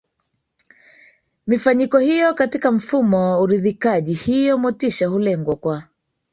mifanyiko hiyo katika mfumo wa uridhikaji hiyo motisha hulengwa kwa